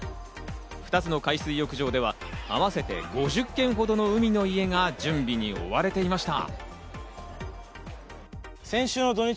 ２つの海水浴場では合わせて５０軒ほどの海の家が準備に追われていました。